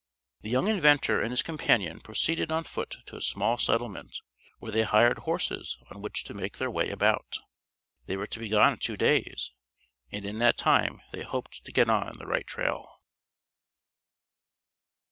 The young inventor and his companion proceeded on foot to a small settlement, where they hired horses on which to make their way about. They were to be gone two days, and in that time they hoped to get on the right trail.